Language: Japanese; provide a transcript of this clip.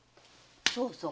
そうそう！